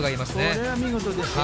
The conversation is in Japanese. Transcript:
これは見事ですよ。